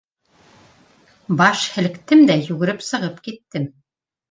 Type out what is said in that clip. Баш һелктем дә, йүгереп сығып та киттем.